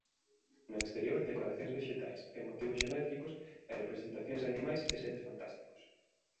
No exterior decoracións vexetais e motivos xeométricos e representacións de animais e seres fantásticos.